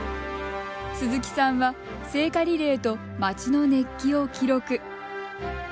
鈴木さんは聖火リレーと町の熱気を記録。